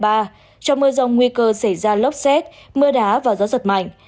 trong mưa rông nguy cơ xảy ra lốc xét mưa đá và gió giật mạnh